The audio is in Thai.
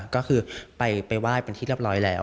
ก็คือไปไหว้เป็นที่เรียบร้อยแล้ว